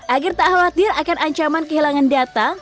agar tak khawatir akan ancaman kehilangan data